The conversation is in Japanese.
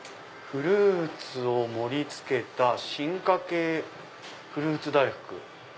「フルーツを盛り付けた“進化系”フルーツ大福」。